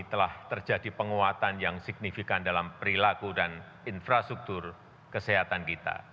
telah terjadi penguatan yang signifikan dalam perilaku dan infrastruktur kesehatan kita